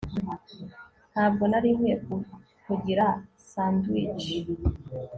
ntabwo nari nkwiye kukugira sandwich